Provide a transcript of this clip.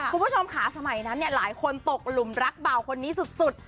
คุณผู้ชมค่ะสมัยนั้นเนี่ยหลายคนตกหลุมรักเบาคนนี้สุด